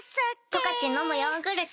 「十勝のむヨーグルト」